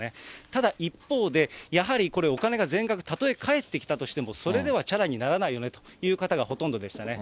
ただ一方で、やはりこれ、お金が全額たとえ返ってきたとしても、それではちゃらにならないよねという方がほとんどでしたね。